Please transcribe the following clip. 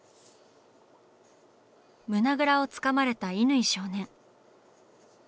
胸ぐらをつかまれた乾少年。